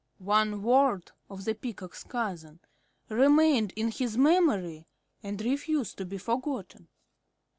One word of the Peacock's cousin remained in his memory and refused to be forgotten.